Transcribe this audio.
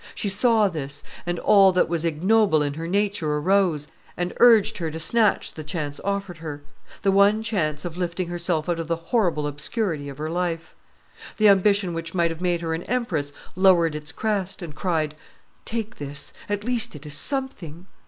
She saw this; and all that was ignoble in her nature arose, and urged her to snatch the chance offered her the one chance of lifting herself out of the horrible obscurity of her life. The ambition which might have made her an empress lowered its crest, and cried, "Take this; at least it is something."